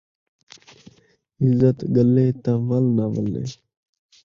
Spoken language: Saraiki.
عزت ڳلے تاں ول ناں ولے